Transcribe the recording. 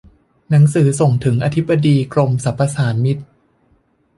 หนังสือส่งถึงอธิบดีกรมสรรพสามิต